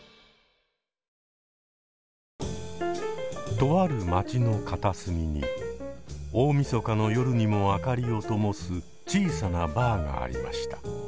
とある街の片隅に大みそかの夜にも明かりをともす小さなバーがありました。